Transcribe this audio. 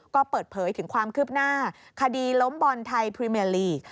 ก็เปิดเผยถึงความคืบหน้าคดีล้มบอลไทยพรีเมียลีก